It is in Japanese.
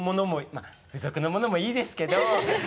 まぁ付属のものもいいですけど。